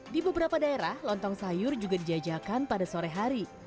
di beberapa daerah lontong sayur juga dijajakan pada sore hari